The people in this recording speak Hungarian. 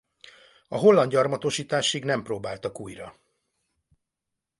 A holland gyarmatosításig nem próbáltak újra.